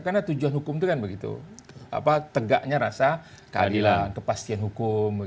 karena tujuan hukum itu kan begitu tegaknya rasa keadilan kepastian hukum